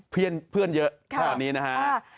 เพื่อนเพื่อนเยอะคราวนี้นะฮะ